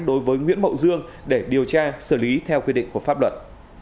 đối với nguyễn mậu dương để điều tra xử lý theo quy định của pháp luật